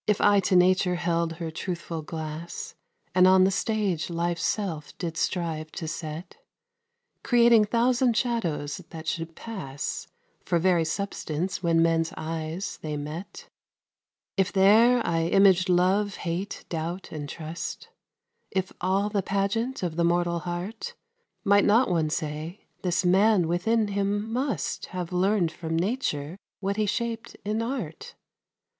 If I to Nature held her truthful glass, And on the stage life's self did strive to set, Creating thousand shadows that should pass For very substance when men's eyes they met; If there I imag'd love, hate, doubt, and trust, If all the pageant of the mortal heart, Might not one say: 'This man within him must Have learn'd from Nature what he shap'd in art'?